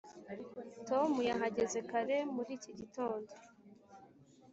tom yahageze kare muri iki gitondo.